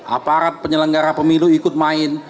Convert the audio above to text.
aparat penyelenggara pemilu ikut main